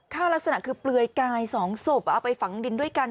ลักษณะคือเปลือยกาย๒ศพเอาไปฝังดินด้วยกัน